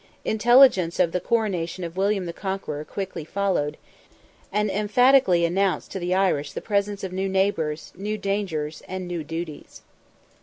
Intelligence of the coronation of William the Conqueror quickly followed, and emphatically announced to the Irish the presence of new neighbours, new dangers, and new duties.